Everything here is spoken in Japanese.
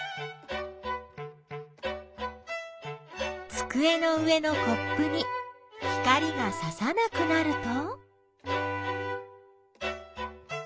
つくえの上のコップに光がささなくなると。